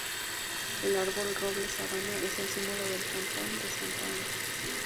El árbol Roble Sabana es el símbolo del cantón de Santa Ana.